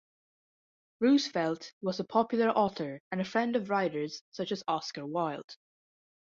Roosevelt was a popular author and a friend of writers such as Oscar Wilde.